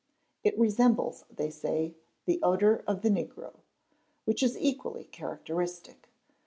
It resembles, they say, the odour of the negro—which is equally J characteristic.